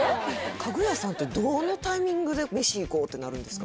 家具屋さんってどのタイミングで飯行こうってなるんですか？